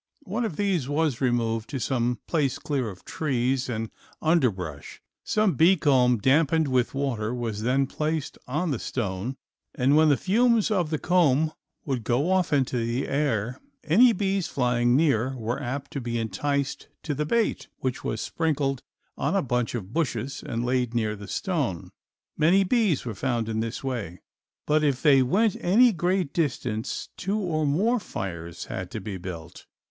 One of these was removed to some place clear of trees and underbrush, some bee comb, dampened with water, was then placed on the stone, and when the fumes of the comb would go off into the air any bees flying near were apt to be enticed to the bait, which was sprinkled on a bunch of bushes and laid near the stone. Many bees were found in this way, but if they went any great distance two or more fires had to be built.